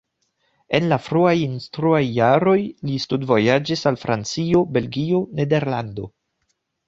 En la fruaj instruaj jaroj li studvojaĝis al Francio, Belgio, Nederlando.